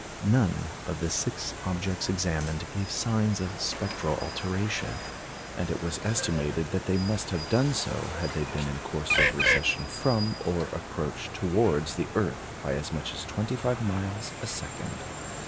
None of the six objects examined gave signs of spectral alteration, and it was estimated that they must have done so had they been in course of recession from or approach towards the earth by as much as twenty five miles a second.